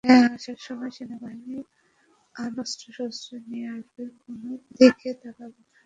হ্যাঁ, আসার সময় সেনাবাহিনী আর অস্ত্রশস্ত্র নিয়ে আসবে কোনও দিকে তাকাবে না!